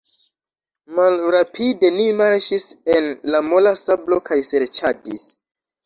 Malrapide ni marŝis en la mola sablo kaj serĉadis.